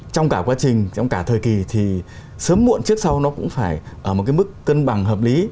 trong cả quá trình trong cả thời kỳ thì sớm muộn trước sau nó cũng phải ở một cái mức cân bằng hợp lý